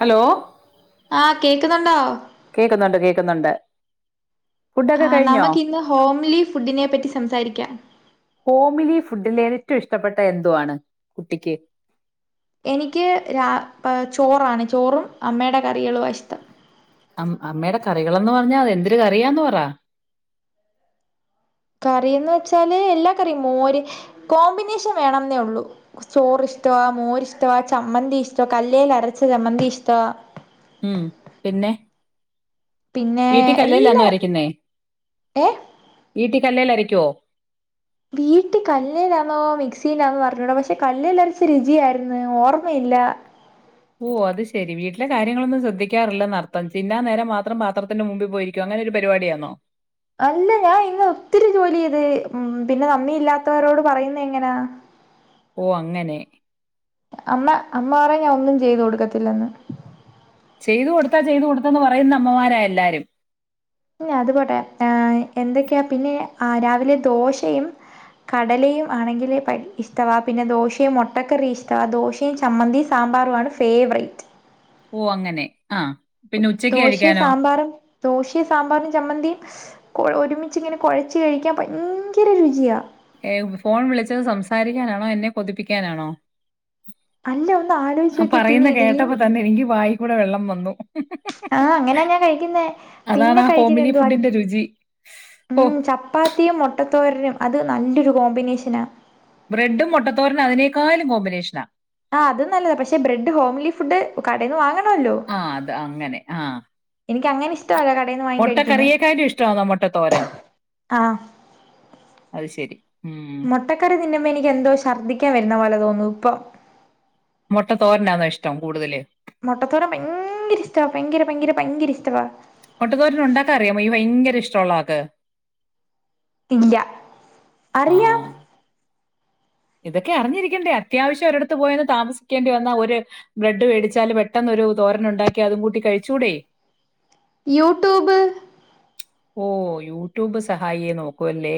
Hello ആഹ് കേക്കുന്നുണ്ടോ കേൾക്കുന്നുണ്ട് കേൾക്കുന്നുണ്ട് ആ നമുക്ക്ന്ന് ഹോംലി ഫുഡിനെ പറ്റി സംസാരിക്കാം ഹോമിലി ഫുഡിൽ ഏറ്റവും ഇഷ്ടപ്പെട്ട എന്തുവാണ് കുട്ടിക്ക് എനിക്ക് രാ ചോറാണ് ചോറും അമ്മയുടെ കറികള ഇഷ്ടം അ അമ്മയുടെ കറികളന്ന് പറഞ്ഞാൽ അത് എന്തൊരു കറിയാന്ന് പറയാ കറിയന്ന് വെച്ചാല് എല്ലാ കറിയും മോര് കോമ്പിനേഷൻ വേണംന്നേ ഉള്ളു ചോറ് ഇഷ്ട മോരിഷ്ട ചമ്മന്തി ഇഷ്ടമാണ് കല്ലൽ അരച്ച ചമ്മന്തി ഇഷ്ടമാണ് ഉം പിന്നെ പിന്നെ വീട്ടിക്കല്ലൽന്നോ എല്ലാ അരക്കുന്നേ ഏഹ് വീട്ടികലേല്ലൽ അരക്കൊ? വീട്ട കല്ലിൽന്നോ മിക്സിയിലാന്നോ അറിഞ്ഞോടോ പക്ഷെ കലല്ലേല്ലരച്ച രുചിയായിന്ന് ഓർമ്മയില്ല ഓ അത് ശരി വീട്ടിലെ കാര്യങ്ങളൊന്നും ശ്രദ്ധാറില്ലന്ന്ർത്ഥം തിന്നാൻ നേരം മാത്രം പാത്രത്തിന്റെ മുമ്പിൽ പോയിരിക്കും അങ്ങനെരു പരിപാടിയാണോ അല്ല ഞാൻ ഇന്ന് ഒത്തിരി ജോലി ചെയ്ത് പിന്നെനന്ദില്ലാത്തവരോട് പറയുന്ന എങ്ങനാ ഓ അങ്ങനെ അമ്മ അമ്മ പറയും ഞാൻ ഒന്നും ചെയ്തു കൊടുക്കത്തില്ലെന്ന് ചെയ്തു കൊടുത്താ ചെയ്തു കൊടുത്താന്ന് പറയുന്ന അമ്മമാരായ എല്ലാരും പി അത്പോട്ടെ ആ എന്തൊക്കെയാ പിന്നെം അ രാവിലെ ദോശയും കടലയും ആണെങ്കിൽ ഭയങ്കര ഇഷ്ടമാണ് പിന്നെ ദോശയും മുട്ടക്കറി ഇഷ്ടമാണ് ദോശ [unintelligible] ചമ്മന്തി സാമ്പാറു ആണ് ഫേവറേറ്റ് ഓ അങ്ങനെ ആഹ് ദോശയും സാമ്പാറും ദോശയും സാമ്പാറിനും ചമ്മന്തിയും ഒര്മിച്ച് ഇങ്ങനെ കൊഴച്ച് കയിക്കാൻ ബയങ്കര രുചിയാ യെ ഫോൺ വിളിച്ചത് സംസാരിക്ക്യനാണോ എന്നെ കൊതിപ്പിക്ക്യാനാണോ അല്ല ഒന്ന് ആലോചിച്ച് ആഹ് നോക്കിയേ പിന്നെ പറയ്ന്നേ ഇഡലിയും കേട്ടപ്പോ തന്നെ എനിക്ക് വായിക്കൂടെ വെള്ളം വന്നു ആഹാ അങ്ങാനേയാ ഞാൻ കയിക്ക്ന്നേ അതാണ് പിന്നെ ആ കയിക്ക്ന്നേ ഹോമിലി എന്തുവാ ഫുഡിന്റെ രുചി. ഓ ഉം ച പ്പാത്തിയും മൊട്ടത്തോരനും അത് നല്ലൊര് കോമ്പിനേഷനാ ബ്രെഡും മൊട്ടത്തോരനും അതിനേക്കാളും കോമ്പിനേഷനാ ആഹ് അത് നല്ലതാ പക്ഷെ ബ്രെഡ് ഹോംലി ഫുഡ് കടെന്ന് വാങ്ങണം അല്ലോ ആഹ് അതാ അങ്ങനെ ആഹ് എനിക്ക് അങ്ങാനെ ഇഷ് മൊട്ട കറിയേക്കാലും ഇഷ്ട്യാന്നേ മൊട്ട തോരൻ ആ അത് ശരി ഉം മൊട്ടക്കറി തിന്ന്മ്പോ എനിക്ക് എന്തോ ഛർദിക്കൻ വെര്ന്നാ പോലെ തോന്നു ഇപ്പൊ മൊട്ട തോരന്നോ ഇഷ്ടം കൂട്താല് മൊട്ടത്തോരൻ ഭയങ്കര ഇഷ്ട്യവാ ഭയങ്കര ഭയങ്കര ഭയങ്കര ഇഷ്ട്യവാ മൊട്ടാതോരൻ ഒണ്ടാക്കാൻ അറിയാമോ ഈ ഭയങ്കര ഇഷ്ടെള്ളാ ആക്ക് ഇല്ല അറിയാം ആഹ് ഇതാക്കെ അറിഞ്ഞിരിക്കേണ്ടേ അത്യാവിശ്യം ഒരാടാത്ത് പോയാല് താമസിക്കേണ്ടി വന്നാ ഒര് ബ്രെഡ് മേടിച്ചാല് പെട്ടെന്നൊര് തോരന് ഒണ്ടാക്കി അതും കൂട്ടി കയിച്ചൂടേ യൂട്യൂബ് ഓ യൂട്യൂബ് സഹായിയേ നോക്കു അല്ലേ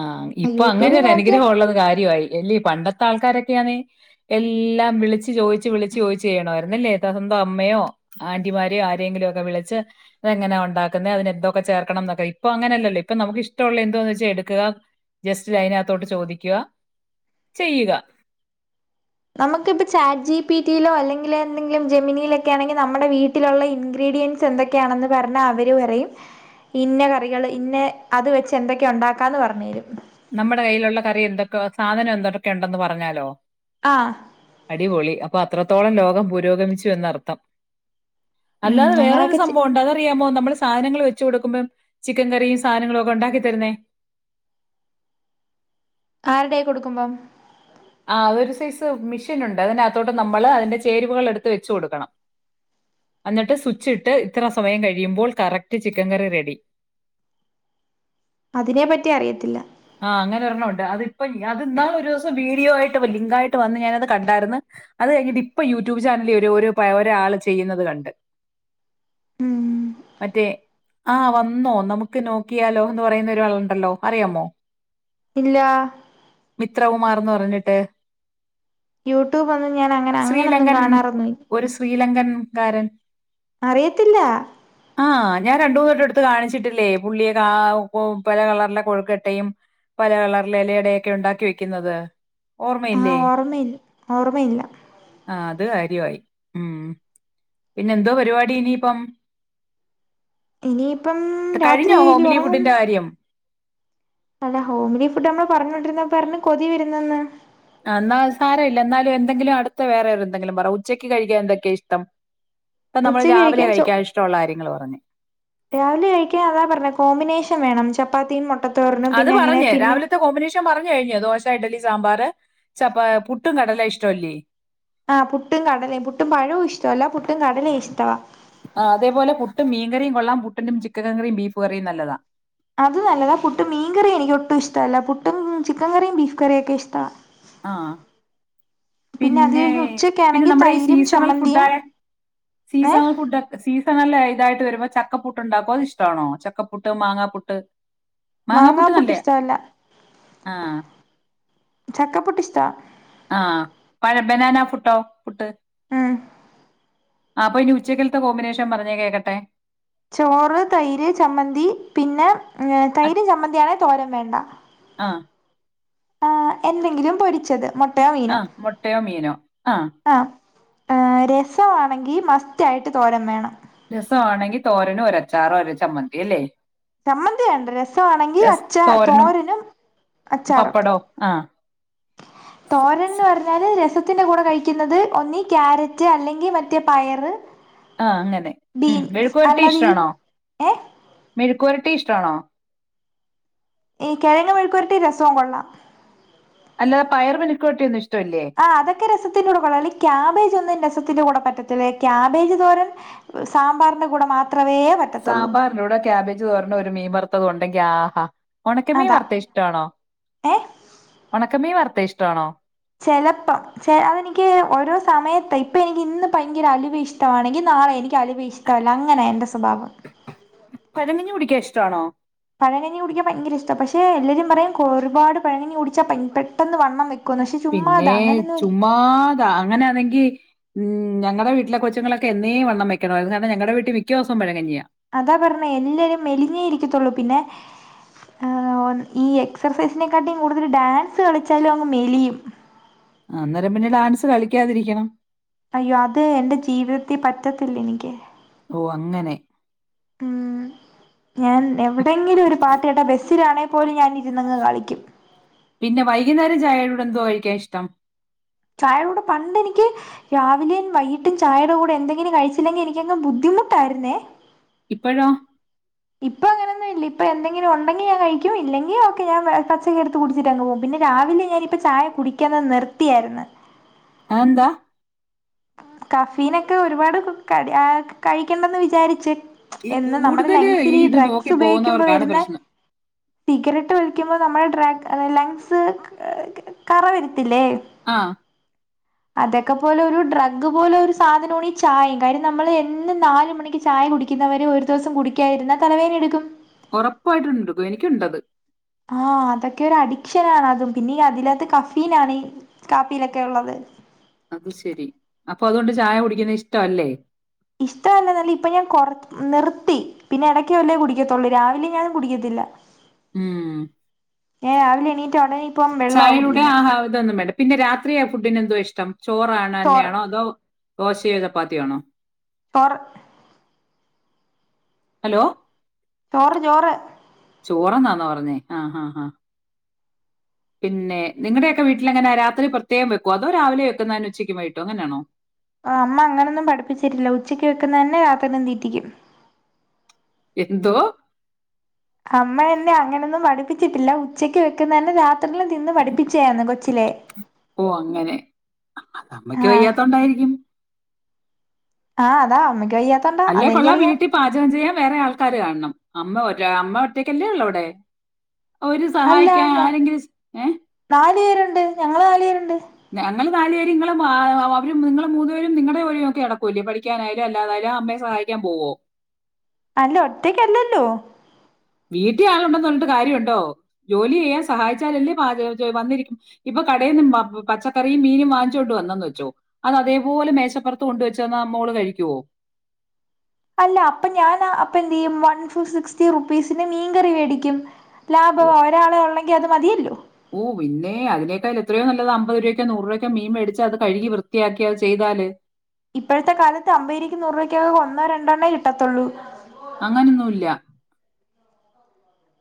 ആഹ് ഇപ്പൊ അങ്ങനെ യൂട്യൂബിൽ ഒര് നോക്കിയ അനുഗ്രഹം ഒള്ളത് കാര്യമായി അല്ലേ പണ്ടത്തെ ആൾക്കാരൊക്കെയാന്നെ എല്ലാം വിളിച്ച് ചോയിച്ച് വിളിച്ച് ചോയിച്ച് ചെയ്യണമായിരുന്നു അല്ലേ സ്വന്തം അമ്മയോ ആന്റിമാരേ ആരെങ്കിലും ഒക്കെ വിളിച്ച് അതെങ്ങനാ ഒണ്ടാക്ക്ന്നേ അതിന് എന്തക്കെേ ചേർക്കണം എന്നൊക്കെ ഇപ്പൊ അങ്ങനെയാല്ലേ ഇപ്പേ നമ്മക്ക് ഇഷ്ടേള്ളാ എന്തുവാന്ന് വെച്ചാ എട്ക്കുക ജെസ്റ്റ് ലതിനാത്തോട്ട് ചോദിക്കുക ചെയ്യ്ക നമ്മക്ക് ഇപ്പാ ചാറ്റ് ജി പി ടി യിലോ അല്ലെങ്കില് എന്തെങ്കിലും ജെമിനിയിലൊക്കെ ആണെങ്കി നമ്മടെ വീ ട്ടിലോള്ള ഇൻഗ്രീഡിയൻസ് എന്തൊക്കെ ആണെന്ന് പറഞ്ഞാ അവര് പറയും ഇന്ന കറികള് ഇന്ന അത് വെച്ച് എന്തൊക്കെയാ ഒണ്ടാക്കാന്ന് പറഞ്ഞ് തെരും നമ്മടെ കയ്യിലൊള്ള കറി എന്തൊക്കെ സാധനം എന്തൊക്കെ ഒണ്ടെന്ന് പറഞ്ഞാലോ ആഹ് അടിപൊളി അപ്പൊ അത്രത്തോളം ലോകം പുരോഗമിച്ചു എന്ന് അർത്ഥം ഉം അല്ലാതെ വേറൊര് അങ്ങനെയൊക്കെ ചെ സംഭവം ഒണ്ട് അതാറിയാമോ നമ്മള് സാനങ്ങള് വെച്ച് കൊട്ക്ക്‌മ്പം ചിക്കൻ കറിയും സാനങ്ങളും ഒക്കെ ഒണ്ടാക്കി തെര്ന്നേ ആര്ടെ കയ്യി കൊട്ക്ക്മ്പം ആഹ് ഒര് സൈസ് മിഷീൻ ഒണ്ട് അതിനാത്തോട്ട് നമ്മള് അതിന്റെ ചേരുവകള് എടുത്ത് വെച്ച് കൊട്ക്കണം എന്നിട്ട് സ്വിച്ച് ഇട്ട് ഇത്ര സമയം കയിമ്പോ കറക്റ്റ് ചിക്കൻ കറി റെഡി അതിനെപ്പറ്റി അറിയത്തില്ല ആഹ് അങ്ങനെ ഒരെണ്ണം ഒണ്ട് അതിപ്പം അത് ഇന്നാള് ഒര്സം വിഡിയോ ആയിട്ട് ലിങ്ക് ആയിട്ട് വന്ന് ഞാനത് കണ്ടാര്ന്ന് അത് കയിഞ്ഞിട്ട് ഇപ്പൊ യൂട്യൂബ് ചാനലി ഒര് ഒരാള് ചെയ്യൂന്നത് കണ്ട് ഉം മറ്റേ ആഹ് വന്നോ നമ്മക്ക് നോക്കിയാലോ എന്ന് പറയ്ന്നാ ഒരാളൊണ്ടല്ലോ അറിയാമോ ഇല്ല മിത്രകുമാർന്ന് പറഞ്ഞ്ട്ട് യൂട്യൂബ് ഒന്നും ഞാൻ അങ്ങനെ അങ്ങനെന്നും ശ്രീലങ്കൻ കാണാറൊന്നു ഒരു ശ്രീലങ്കൻ കാരൻ അറിയത്തില്ല ആഹ് ഞാൻ രണ്ട് മൂന്ന് വട്ടം എട്ത്ത് കാണിച്ചിട്ടില്ലേ പുള്ളിയെ കാ പല കളറിലെ കൊഴക്കട്ടയും പല കളറിലെ ഇലയടയൊക്കെ ഒണ്ടാക്കി വെക്ക്ന്നത് ആ ഓർമ്മയില്ലേ ഓർമ്മയില്ല ഓർമ്മയില്ല ആഹ് അത് കാര്യായി ഉം പിന്നെ എന്തോ പരിപാടി ഇനിയിപ്പം ഇനിയിപ്പം കഴിഞ്ഞോ രാത്രിയായില്ലേ ഹോംലി ഉറങ്ങും ഫുഡിന്റെ കാര്യം അല്ല ഹോംലി ഫുഡ് ന്ന് പറഞ്ഞോണ്ടിരുന്ന പറഞ്ഞു കൊതി വരുന്നന്ന് ആഹ് എന്നാ സാരമല്ല എന്നാലും എന്തെങ്കിലും അടുത്ത വേറെ എന്തങ്കിലും പറ ഉച്ചക്ക് കഴിക്കാൻ എന്തൊക്കെ ഇഷ്ടം ഇപ്പൊ നമ്മള് ഉച്ചയ്ക്ക് രാവിലെ ചോ കഴിക്കാൻ ഇഷ്ടമുള്ള കാര്യങ്ങള് പറഞ്ഞു രാവിലെ കഴിക്കാൻ അതാ പറഞ്ഞ കോമ്പിനേഷൻ വേണം ചപ്പാത്തിയും മൊ അത് പറഞ്ഞ് രാവിലത്തെ കോമ്പിനേഷ് ക്ഷൻ പറഞ്ഞു കഴിഞ്ഞു ദോശ ഇഡലി സാമ്പാർ ചപ്പ പുട്ടും കടല ഇഷ്ടമല്ലീ ആഹ് പുട്ടും കടലയും പുട്ടും പഴവും ഇഷ്ടല്ല പുട്ടും കടലയും ഇഷ്ടവാ ആഹ് അതപോലെ പുട്ടും മീൻ കറിയും കൊള്ളാം പുട്ടന്റെ ചിക്കൻ കറും ബീഫ് കറിയും നല്ലതാ അത് നല്ലതാ പുട്ടും മീൻ കറിയും എനിക്ക് ഒട്ടും ഇഷ്ടല്ല പുട്ടും ചിക്കൻ കറിയും ബീഫ് കറിയും ഒക്കെ ഇഷ്ടമാ ആഹ് അത് പിന്നെ കഴിഞ്ഞ് പിന്നെ ഉച്ചക്കാണെങ്കിൽ നമ്മുടെ ഈ തൈരും സീസണൽ ചമ്മന്തിയും ഫുഡായ ഏ സീസണൽ ഫുഡ് സീസണല്ലേ ഇതായിട്ട് വരുമ്പോ ചക്കപ്പുട്ട് ഉണ്ടാക്കോ അത് ഇഷ്ടമാണോ ചക്കപ്പുട്ട് മാങ്ങാപ്പുട്ട് മാങ്ങാ മാങ്ങാപ്പുട്ട് പുട്ട് നല്ലേ ഇഷ്ടോ അല്ല ആ ചക്ക പുട്ടഇഷ്ടാ ആഹ് പഴ ബനാന പുട്ടോ പുട്ട് ഉം. അപ്പൊ ഇനി ഉച്ചക്കിലത്തെ കോമ്പിനേഷൻ പറഞ്ഞേ കേക്കട്ടെ ചോറ് തൈര് ചമ്മന്തി പിന്നെ തൈര് ചമ്മന്തിയാണെ തോരം വേണ്ട ആഹ് ആഹ് എന്തെങ്കിലും പൊരിച്ചത് മ ആഹ് മുട്ടയോ മീനോ ആഹ് ആഹ് രസമാണെങ്കിൽ മസ്റ്റ് ആയിട്ട് തോരൻ വേണം രസമാണെങ്കിൽ തോരനും ഒരച്ചാറ ഒരു ചമ്മന്തി അല്ലേ ചമ്മന്തി വേണ്ട രസമാണെങ്കി അച്ച തോരനും അച്ചാറും പപ്പടോ ആ സ- തോരൻന്ന് സ- പറഞ്ഞാല് രസത്തിന്റെ കൂടെ കഴിക്കുന്നത് ഒന്നി ക്യാരറ്റ് അല്ലെങ്കിൽ മറ്റേ പയറ് ആഹ് അങ്ങനെ ഉം ബീൻസ് മഴുക്കൂരട്ടി അല്ലാതെ ഈ ഇഷ്ടാണോ ഏ മെഴുക്കരടീ ഇഷ്ടമാണോ ഈ കിഴങ്ങങ് മെഴക്കുരട്ടി രസവും കൊള്ളാം അല്ലാെ പയർ മെഴക്കര ട്ടിയൊന്നും ഇഷ്ടമല്ലേ ആ് അതക്ക രസത്തിൻന്റെ കൂടെ കൊള്ളാംഅല്ലങ്ക ക്യാബേജ് ഒന്നും രസത്തിന്റെറെ കൂടെ പറ്റത്തില്ല ക്യാബേജ് തോരൻ സാമ്പാറിന്റെ കൂടെ മാത്രമേ പറ്റ സാമ്പാറിന്റുടെ ക്യാബേജ് തോരനും ഒരു മീൻ വറുത്തത് ഉണ്ടെങ്കി ആഹാ ഉണക്ക മീൻ അതാ വറു ഇഷ്ടമാണോ ഏ ഉണക്കമീൻ വറുത്ത ഇഷ്ടമാണോ ചലപ്പം ശരി അതെനിക്ക് ഓരോ സമയത്ത് ഇപ്പം എനിക്ക് ഇന്ന് ഭയങ്കര അലിവ ഇഷ്ടമാണെങ്കിൽ നാളെ എനിക്ക് അലിവ ഇഷ്ടം അങ്ങനെ എൻ്റെ സ്വഭാവം പഴങ്കഞ്ഞി കുടിക്കാ ഇഷ്ട ആണോ പഴകഞ്ഞി കുടിക്കാൻ ഭയങ്കര ഇഷ്ട പക്ഷെ എല്ലാവരും പറയും ഒരുപാട് പഴകഞ്ഞി കുടിച്ചൽ പെട്ടെന്ന് വണ്ണം ക്കുന്ന്പക്ഷെ ചുമ്മാതാ പിന്നെ അങ്ങനൊന്നും ചുമ്മാതാ അങ്ങനെയാണെങ്കി ഉം ഞങ്ങളുടെ വീട്ടില കൊച്ചുങ്ങളൊക്കെ എന്നെ വണ്ണംവെക്കണം അത് കാരണം ഞങ്ങള വീട്ടിൽ മിക്കസവും പഴകഞ്ഞിയ അതാ പറഞ്ഞു എല്ലാരും മെലിഞ്ഞേ ഇരിക്കത്തുള്ളൂ പിന്നെ ഈ എക്സർസൈസിനെക്കാട്ടും കൂടുതൽ ഡാൻസ് കളിച്ചാലും അങ്ങ് മെലിയും ആഹ് അന്നേരം പിന്നെ ഡാൻസ് കളിക്കാതിരിക്കണം അയ്യോ അത് എന്റെ ജീവിതത്തി പറ്റത്തില്ല എനിക്ക് ഓഹ് അങ്ങനെ ഉം ഞാൻ എവിടെങ്കിലും ഒരു പാട്ടി കേട്ടാ ബസിലാണെ പോലും ഞാനി ഇരന്ന്ങ് കളിക്കും പിന്നെ വൈകുന്നേരം ചായോടെ കൂടെ എന്ത്‌വൊ കഴിക്കാൻ ഇഷ്ടം ചായയുടെ പണ്ട് എനിക്ക് രാവിലെയും വൈകീട്ടും ചായയുടെ കൂടെ എന്തെങ്കിലും കഴിച്ചില്ലെങ്കിൽ എനക്കങ് ബുദ്ധിമുട്ടായിരുന്നേ ഇപ്പഴോ? ല്ല ഇപ്പ എന്തെങ്കിലും ഉണ്ടെങ്കി ഞൻ കഴിക്കും ഇല്ലെങ്കിൽ ഒക്കെ ഞൻ പച്ചക്ക അടുത്ത് കുടിച്ചിട്ടങ് പോവും പിന്നെ രാവിലെ ഞാനിപ്പ ചായ കുടിക്കും ക്കുന്നത് നിർത്തിയായിരുന്നു അന്താ കഫീനൊക്കെ ഒരുപാട് ക കഴിക്കണ്ടന്ന് വിചാരിച്ച് ഈ എന്ന് നമ്മുടെ കൂടുതല് ലങ്സിൽ ഈ ഇത് നോക്കി ഡ്രഗ്സ് ഉപയോഗിക്കുമ്പോ പോകുന്നവർക്കാണ് വരുന്ന പ്രശ്നം സിഗരറ്റ് വലിക്കുമ്പോൾ നമ്മുടെ ഡ്രാ ലങ്സ് കറ വരുത്തില്ലേ? ആഹ് അതെക്കെ പോലെ ഒരു ഡ്രക് അഗ്പോലെരു സാധനാണി ചായയും കാര്യം നമ്മൾ എന്നും നാല് മണിക്ക് ചായ കുടിക്കുന്നവരെ ദിവസം കുടിക്കായിരുന്ന തലവേന എടുക്കും ഒറപ്പായിട്ടുണ്ട് എനിക്കുണ്ടത് ആഹ് അതൊക്കെ ഒരു അഡിക്ഷനാണത് പിന്നെ അതിലകത്ത് കഫീന ആണ് ഈ കാപ്പിയിലൊക്കെള്ളത്. അത് ശരി അപ്പൊ അതുകൊണ്ട് ചായ കുടിക്കുന്നത് ഇഷ്ട അല്ലേ? ഇഷ്ടംവല്ലെന്നല്ല ഇപ്പൊ ഞാൻ കൊർ നിർത്തി. പിന്നെ എടയ്ക്കേ വല്ലേ കുടിക്കത്തുള്ളൂ രാവിലെ ഞാനും കുടിക്കത്തില്ല. ഉം. ഏഹ് രാവിലെ എണീറ്റ ഉടനെ ഇപ്പം വെള്ളാ കുടിക്കുന്നെ ആഹ് അതൊന്നും വേണ്ട പിന്നെ രാത്രി ആ ഫുഡിന് എന്തോ ഇഷ്ടം ചോറാണോ ചോറ് തന്നെയാണോ അതോ? ഓശയോ ചപ്പാത്തി ആണോ? പൊർ ഹലോ ചോറ് ചോറ് ചോറന്നാണോ പറഞ്ഞേ ആഹ് ആഹ് ആഹ് പിന്നെ നിങ്ങടെക്കെ വീട്ടിലെങ്ങന രാത്രി പ്രത്യേക വെക്കൊ അതോ രാവിലെ വെക്കുന്ന അതിന് ഉച്ചക്ക് വയിട്ടോ അങ്ങനാണോ? ആഹ് അമ്മ അങ്ങനൊന്നും പഠപ്പിച്ചിട്ടില്ല ഉച്ചയ്ക്ക് വെക്കുന്ന തന്നെ രാത്രിെ തീറ്റിക്കും എന്തോ? അമ്മ എന്നെ അങ്ങനെയൊന്നും പഠിപ്പിച്ചിട്ടില്ല ഉച്ചക്ക് വെക്ന്ന തന്നെ രാത്രിൽ തിന്ന് പഠിപ്പിച് ച്ചേന്ന് കൊച്ചിലെ ഓഹ് അങ്ങനെ അമ്മയ്ക്ക് ആഹ് വയ്യാത്തോണ്ടായിരിക്കും. ആഹ്താ അമ്മക്ക് വയ്യാതോ അല്ലേ കൊള്ളാൻ വീട്ടിൽ പാചകം ചെയ്യാൻ വേറെ ആൾക്കാര് കാണണം അമ്മ ഒറ്റ അമ്മ ഒറ്റയ്ക്കല്ലേ ഉള്ളൂ അവിടെ? ഒര് അല്ല സഹായിക്കാൻ ഞ ആരെങ്കിലും ഏഹ് നാല് പേരുണ്ട് ഞങ്ങള് നാല് പേരുണ്ട് ഞങ്ങൾ നാല് പേര്ങ്ങള അവരും നിങ്ങള മൂന്ന് പേരും നിങ്ങള പോരും ഒക്കെടക്കൂല്ലേ പഠിക്കാനായാലും അല്ലാതായാലും അമ്മയെ സഹായി ക പോവോ? അല്ല ഒറ്റക്കല്ലല്ലോ? വീട്ടീ ആളുണ്ടെന്ന് പറഞ്ഞിട്ട് കാര്യവുണ്ടോ ജോലി ചെയ്യാൻ സഹായിച്ചാൽല്ലേ പാചകം വന്നിരി ഇപ്പൊ കടയിൽ നിന്നും പച്ചക്കറിയും മീനും വാങ്ങിച്ചോണ്ട് വന്നന്ന് വച്ചോ അത് അതേപോലെ മേശപ്പറത്ത് കൊണ്ട്വെച്ചാൽ നമ്മോള് കഴിക്കുവോ? അല്ല അപ്പൊ ഞാൻ അപ്പ എന്ത് ചെയ്യും വൺ ഫ സിക്സ്റ്റി റുപ്പീസിന് മീൻകറി മേടിക്കും ലാഭമോ ഒരാളെ ഉള്ളെങ്കിൽ അത് മതിയല്ലോ? ഓഹ് പിന്നെ അതിനേക്കാൾ എത്രയ നല്ലത് അമ്പത് രൂപയ്ക്കോ നൂറ് രൂപയ്ക്കോ മീൻ മേടിച്ച് അത് കഴുകി വൃത്തിയാക്കി അത് ചെയ്താല്. ഇപ്പഴത്തെ കാലത്ത് അമ്പരക്ക് നൂറ് രൂപയ്ക്കകെ ഒന്നോ രണ്ടെണ്ണേ കിട്ടത്തുള്ളൂ. അങ്ങനൊന്നുല്ല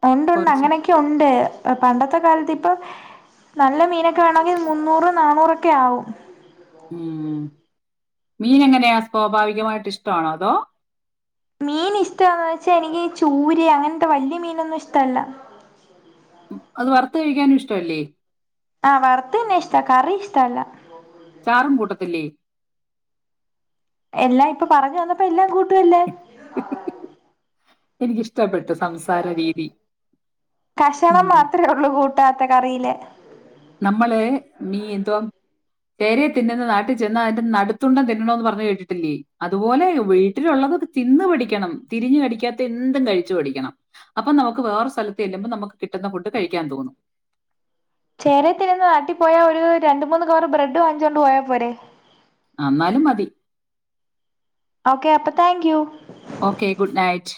ഉണ്ട് ഉണ്ട് കുറച്ച് അങ്ങനെയൊക്കെ ഉണ്ട് പണ്ടത്തെ കാലത്ത് ഇപ്പൊ നല്ല മീനൊക്കെ വേണങ്കിൽ മുന്നൂറ് നാന്നൂറൊക്കെ ആവും ഉം മീൻ എങ്ങനെയാ സ്വാഭാവികമായിട്ട് ഇഷ്ടമാണോ അതോ മീൻ ഇഷ്ടാന്ന് വെച്ചാൽ എനിക്ക് ചൂര് അങ്ങൻത്തെ വലിയ മീനൊന്നും ഇഷ്ടല്ല അത് വറുത്ത് കഴിക്കാനും ഇഷ്ട അല്ലേ ആഹ് വറുത്ത തന്നെ ഇഷ്ട കറി ഇഷ്ടല്ല ചാറും കൂട്ടത്തില്ലേ എല്ലാം ഇപ്പൊ പറഞ്ഞു വന്നപ്പോ എല്ലാം കൂട്ടുകല്ലേ എനിക്ക് ഇഷ്ടപ്പെട്ട കഷണം ഉം. മാത്രമേ ഉള്ളൂ കൂട്ടാത്ത കറിയിലെ നമ്മള് നീ എന്തോ ചേരെ തിന്നുന്ന നാട്ടിൽ ചെന്ന അതി നടുത്തുണ്ടം തിന്നണോന്ന് പറഞ്ഞു കേട്ടിട്ടില്ലേ അതുപോലെ വീട്ടിലുള്ളത് തിന്ന പഠിക്കണം തിരിഞ് കടിക്കാത്ത എന്തും കഴിച്ചു പഠിക്കണം അപ്പൊ നമുക്ക് വേറെ സ്ഥലത്ത് ചെല്ലുമ്പോ നമുക്ക് കിട്ടുന്ന ഫുഡ് കഴിക്കാൻ തോന്നും ചേരത്തിന്ന് നാട്ടി പോയാ ഒരു രണ്ട മൂന്ന് കവറ് ബ്രഡ് വാങ്ങിച്ചോണ്ട് പോയാ പോരെ അ ന്നാലും മതി ഓക്കെ അപ്പൊ thank you okay good night